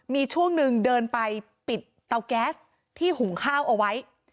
มีช่วงหนึ่งเดินไปปิดเตาแก๊สที่หุงข้าวเอาไว้